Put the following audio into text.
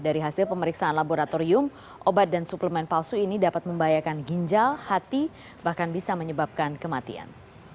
dari hasil pemeriksaan laboratorium obat dan suplemen palsu ini dapat membahayakan ginjal hati bahkan bisa menyebabkan kematian